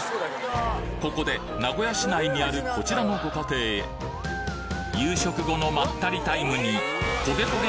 ここで名古屋市内にあるこちらのご家庭へ夕食後のまったりタイムに焦げ焦げ